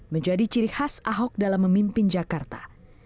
menjadi ciri khas ahok dalam memimpin jakarta